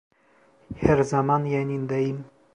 Her zaman yanındayım.